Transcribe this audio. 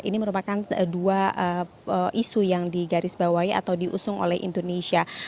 ini merupakan dua isu yang digarisbawahi atau diusung oleh indonesia